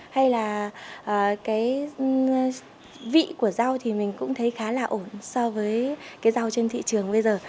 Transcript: hay là cái vị của rau thì mình cũng thấy khá là ổn so với cái rau trên thị trường bây giờ